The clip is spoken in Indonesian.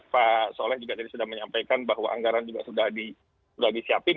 pak soleh juga tadi sudah menyampaikan bahwa anggaran juga sudah disiapin